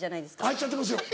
入っちゃってますよ。